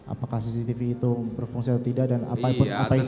apakah cctv itu berfungsi atau tidak dan apa isinya ya muridnya